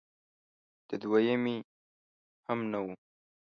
د دویمې هم نه و